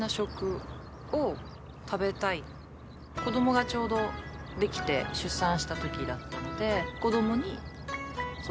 發ちょうどできて出産したときだったので。